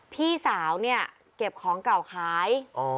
พี่สาวเนี่ยเก็บของเก่าขาย